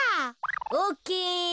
オッケー。